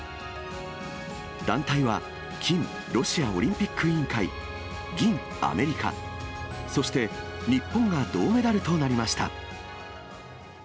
団体は、金、ロシアオリンピック委員会、銀、アメリカ、そして日本が銅メダルとなりました。